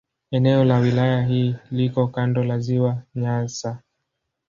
Eneo la wilaya hii liko kando la Ziwa Nyasa.